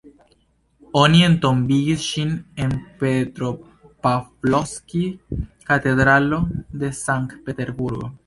Oni entombigis ŝin en Petropavlovskij-katedralo de Sankt Peterburgo.